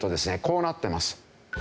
こうなってます。